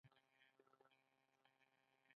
د بیان ازادي مهمه ده ځکه چې دیموکراسي پیاوړې کوي.